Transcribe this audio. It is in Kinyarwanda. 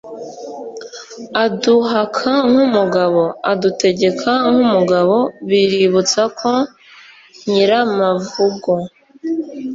aduhaka nk’umugabo: adutegeka nk’umugabo biributsa ko nyiramavugo